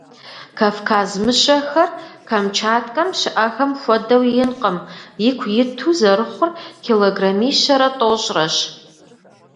Кавказ мыщэхэр Камчаткэм щыIэхэм хуэдэу инкъым - ику иту зэрыхъур килограммищэрэ тIощIрэщ.